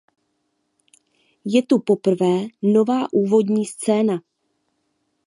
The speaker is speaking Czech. Je tu poprvé nová úvodní scéna.